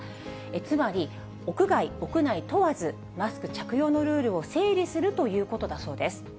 つまり、屋外、屋内問わず、マスク着用のルールを整理するということだそうです。